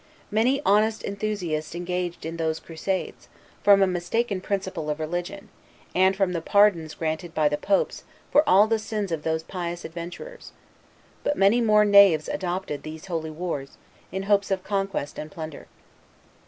Many honest enthusiasts engaged in those crusades, from a mistaken principle of religion, and from the pardons granted by the Popes for all the sins of those pious adventurers; but many more knaves adopted these holy wars, in hopes of conquest and plunder.